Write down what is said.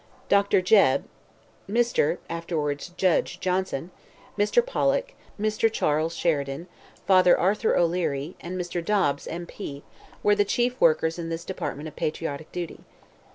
Dr. Jebb, Mr. (afterwards Judge) Johnson, Mr. Pollock, Mr. Charles Sheridan, Father Arthur O'Leary, and Mr. Dobbs, M.P., were the chief workers in this department of patriotic duty.